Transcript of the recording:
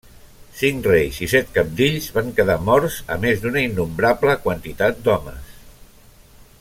Cinc reis i set cabdills van quedar morts, a més d'una innombrable quantitat d'homes.